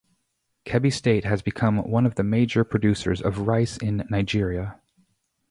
Kebbi State has become one of the major producers of rice in Nigeria.